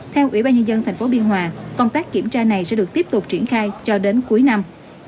theo ủy ban nhân dân tp biên hòa công tác kiểm tra này sẽ được tiếp tục triển khai cho đến cuối năm